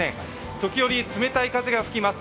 時折、冷たい風が吹きます。